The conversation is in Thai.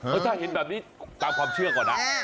ถ้าเห็นแบบนี้ตามความเชื่อก่อนนะ